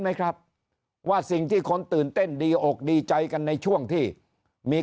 ไหมครับว่าสิ่งที่คนตื่นเต้นดีอกดีใจกันในช่วงที่มี